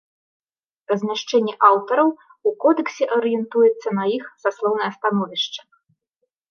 Размяшчэнне аўтараў у кодэксе арыентуецца на іх саслоўнае становішча.